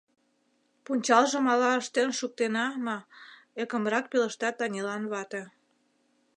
— Пунчалжым ала ыштен шуктена ма, — ӧкымрак пелешта Танилан вате.